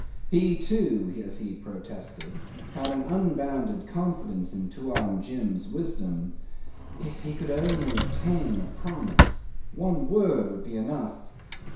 He too, as he protested, had an unbounded confidence in Tuan Jim's wisdom. If he could only obtain a promise! One word would be enough!